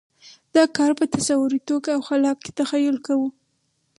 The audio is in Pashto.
دا کار په تصوري توګه او خلاق تخیل کوو.